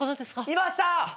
・いました！